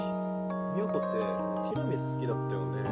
美和子ってティラミス好きだったよね？